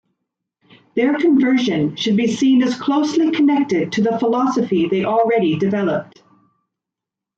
Their conversion should be seen as closely connected to the philosophy they already developed.